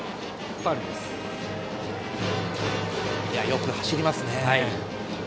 よく走りますね。